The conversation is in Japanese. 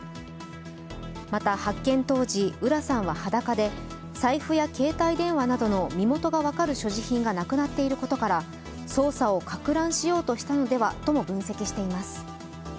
また、発見当時、浦さんは裸で財布や携帯電話などの身元が分かる所持品がなくなっていることから捜査をかく乱しようとしたのではとも分析しています。